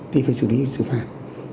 thì phải xử lý được